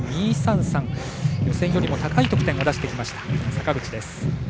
予選よりも高い得点を出してきました、坂口です。